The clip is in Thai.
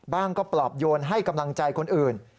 ก็ปลอบโยนให้กำลังใจคนอื่น